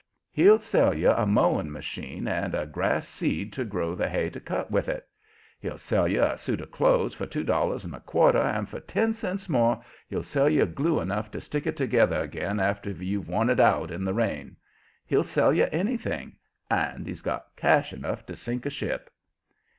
He'll sell you a mowing machine and the grass seed to grow the hay to cut with it. He'll sell you a suit of clothes for two dollars and a quarter, and for ten cents more he'll sell you glue enough to stick it together again after you've worn it out in the rain. He'll sell you anything, and he's got cash enough to sink a ship.